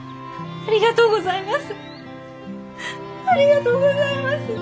ありがとうございます。